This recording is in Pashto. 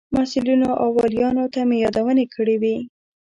مسئولینو او والیانو ته مې یادونې کړې وې.